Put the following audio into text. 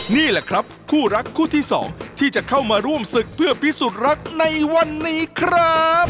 นี่แหละครับคู่รักคู่ที่สองที่จะเข้ามาร่วมศึกเพื่อพิสูจน์รักในวันนี้ครับ